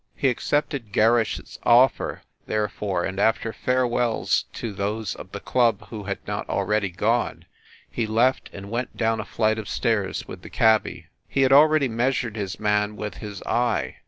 He accepted Gerrish s offer, therefore, and after farewells to those of the club who had not already gone, he left and went down a flight of stairs with the cabby. THE REPORTER OF "THE ITEM" 97 He had already measured his man with his eye.